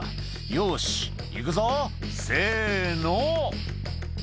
「よしいくぞ！せの！」